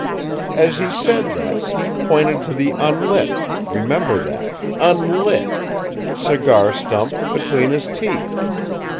As he said that, he pointed to the unlit remember that, unlit cigar stump between his teeth.